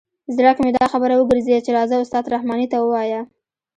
زړه کې مې دا خبره وګرځېده چې راځه استاد رحماني ته ووایه.